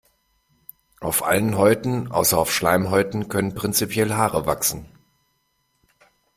Auf allen Häuten außer auf Schleimhäuten können prinzipiell Haare wachsen.